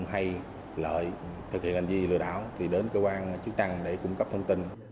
hay lợi thực hiện hành vi lừa đảo thì đến cơ quan chức năng để cung cấp thông tin